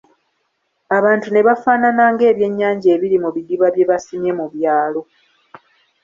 Abantu ne bafaanana ng'ebyennyanja ebiri mu bidiba bye basimye mu byalo.